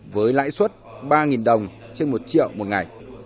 với lãi suất ba đồng trên một triệu một ngày